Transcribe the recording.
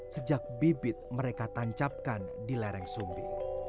sejak bibit mereka tancapkan di lereng sumbi